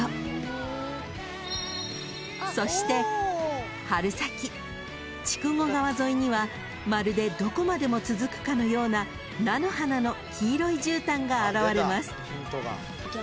［そして春先筑後川沿いにはまるでどこまでも続くかのような菜の花の黄色いじゅうたんが現れます］